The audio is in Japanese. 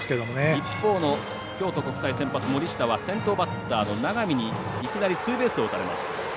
一方の京都国際、先発森下は先頭バッターの永見にいきなりツーベースを打たれます。